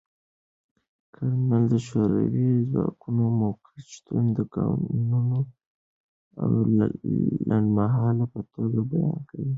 کارمل د شوروي ځواکونو موقت شتون د قانوني او لنډمهاله په توګه بیان کړ.